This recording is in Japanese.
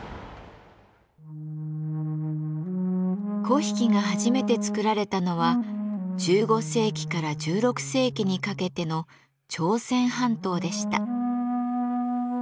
粉引が初めて作られたのは１５世紀から１６世紀にかけての朝鮮半島でした。